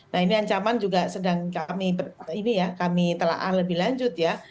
nah ini ancaman juga sedang kami telah lebih lanjut ya